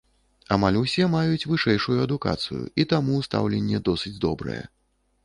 Амаль усе маюць вышэйшую адукацыю і таму стаўленне досыць добрае.